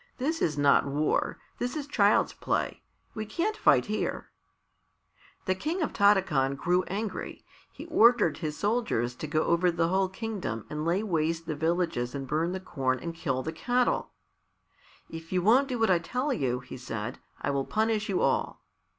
This is not war; this is child's play. We can't fight here." The King of Tarakan grew angry. He ordered his soldiers to go over the whole kingdom and lay waste the villages and burn the corn and kill the cattle. "If you won't do what I tell you," he said, "I will punish you all."